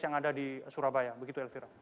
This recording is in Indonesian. yang ada di surabaya begitu elvira